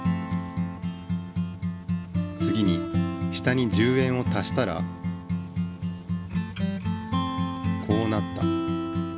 次に下に１０円を足したらこうなった。